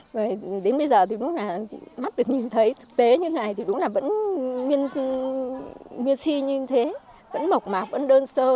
rồi đến bây giờ thì mắt được nhìn thấy thực tế như thế này thì đúng là vẫn miên si như thế vẫn mộc mạc vẫn đơn sơ